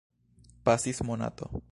Pasis monato.